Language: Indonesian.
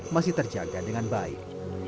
masih terjaga dengan baik